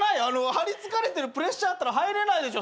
張り付かれてるプレッシャーあったら入れないでしょ